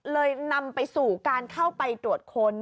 นำไปสู่การเข้าไปตรวจค้น